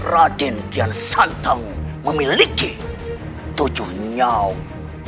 raden yang santang memiliki tujuh nyawa